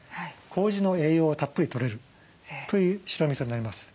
こうじの栄養はたっぷりとれるという白みそになります。